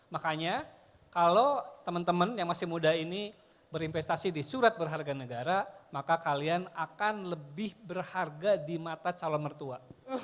makanya kalau teman teman yang masih muda ini berinvestasi di surat berharga negara maka kalian akan lebih berharga di mata calon mertua